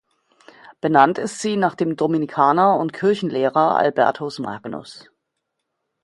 Benannt ist sie nach dem Dominikaner und Kirchenlehrer Albertus Magnus.